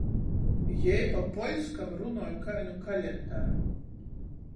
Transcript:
Jei pa poļskam runoj kai nu kalendara.